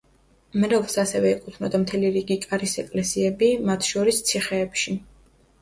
მრევლს ასევე ეკუთვნოდა მთელი რიგი კარის ეკლესიები, მათ შორის ციხეებში.